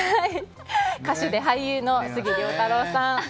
歌手で俳優の杉良太郎さん。